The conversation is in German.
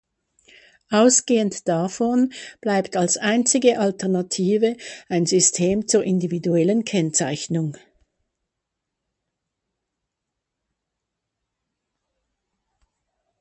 Ausgehend davon bleibt als einzige Alternative ein System zur individuellen Kennzeichnung.